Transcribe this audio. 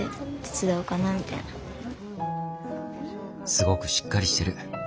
すごくしっかりしてる。